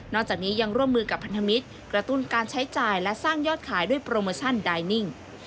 จากนี้ยังร่วมมือกับพันธมิตรกระตุ้นการใช้จ่ายและสร้างยอดขายด้วยโปรโมชั่นไดนิ่ง